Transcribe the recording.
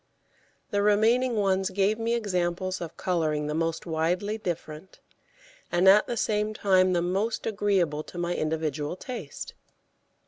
The remaining ones gave me examples of colouring the most widely different, and at the same time the most agreeable to my individual taste.